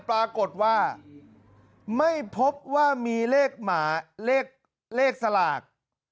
ปรากฏว่าไม่พบว่ามีเลขสลาก๘๔๓๐๑๙